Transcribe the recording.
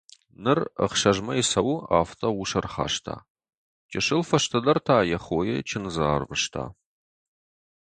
Ныр ӕхсӕз мӕйы цӕуы, афтӕ ус ӕрхаста, чысыл фӕстӕдӕр та йӕ хойы чындзы арвыста.